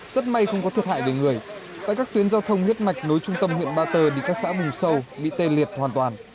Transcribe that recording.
rất may không có thiệt hại về người tại các tuyến giao thông huyết mạch nối trung tâm huyện ba tơ thì các xã vùng sâu bị tê liệt hoàn toàn